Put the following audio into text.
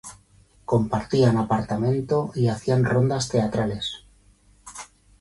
Compartían apartamento y hacían rondas teatrales.